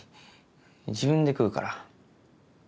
自分で食うから。